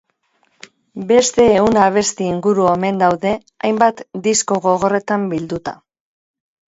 Beste ehun abesti inguru omen daude hainbat disko gogorretan bilduta.